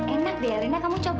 enak deh erina kamu coba